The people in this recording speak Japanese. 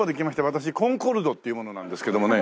私コンコルドっていう者なんですけどもね。